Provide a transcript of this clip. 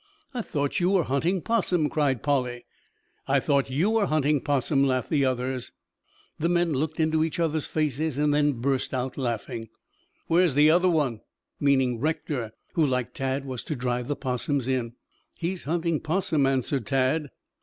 "I thought you were hunting 'possum," cried Polly. "I thought you were hunting 'possum," laughed the others. The men looked into each others' faces, then burst out laughing. "Where's the other one?" meaning Rector, who like Tad was to drive the 'possums in. "He's hunting 'possum," answered Tad.